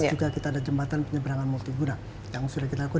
juga kita ada jembatan penyeberangan multiguna yang sudah kita lakukan